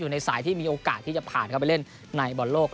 ในสายที่มีโอกาสที่จะผ่านเข้าไปเล่นในบอลโลก